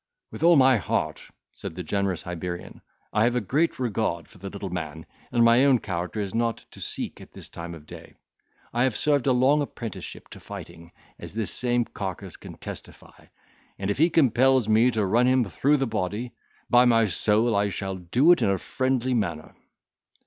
"With all my heart," said the generous Hibernian, "I have a great regard for the little man, and my own character is not to seek at this time of day. I have served a long apprenticeship to fighting, as this same carcase can testify, and if he compels me to run him through the body, by my shoul, I shall do it in a friendly manner."